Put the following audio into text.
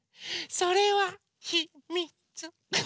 それはひ・み・つ。